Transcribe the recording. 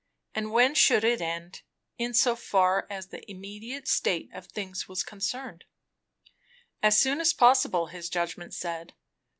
And when should it end, in so far as the immediate state of things was concerned? As soon as possible! his judgment said.